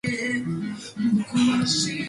Wesley goes downstairs and begins to ask questions.